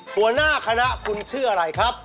หัวหน้าคณะคุณชื่ออะไรครับ